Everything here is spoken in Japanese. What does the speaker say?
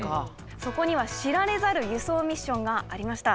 そこには知られざる輸送ミッションがありました。